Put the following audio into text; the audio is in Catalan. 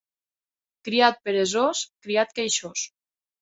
Criat peresós, criat queixós.